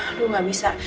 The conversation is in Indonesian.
aduh gak bisa